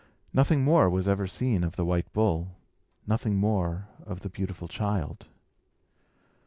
Nothing more was ever seen of the white bull nothing more of the beautiful child.